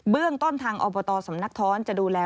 เรื่องต้นทางอบตสำนักท้อนจะดูแล